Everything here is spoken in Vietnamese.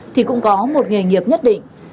thì cũng có một nghề nghiệp nhất định